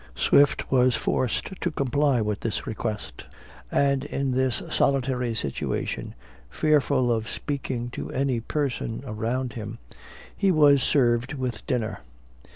Swift was forced to comply with this request: and in this solitary situation, fearful of speaking to any person around him, he was served with dinner.